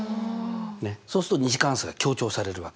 そうすると２次関数が強調されるわけです。